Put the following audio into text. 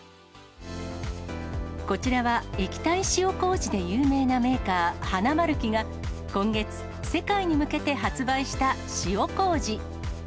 こちらは、液体塩こうじで有名なメーカー、ハナマルキが、今月、世界に向けて発売した、塩こうじ。